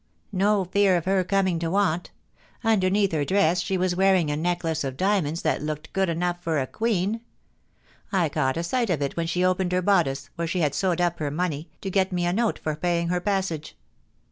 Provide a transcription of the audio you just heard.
No fear of he: coming to want Underneath her dress she was weariie a necklace of diamonds that looked good enough for a queen. I caught a sight of it when she opened her bodice, where she had sewed up her money, to get me a note Sssl paying her passage.